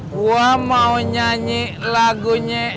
gue mau nyanyi lagunya